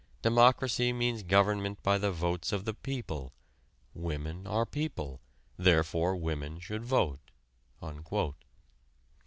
Democracy means government by the votes of the people. Women are people. Therefore women should vote."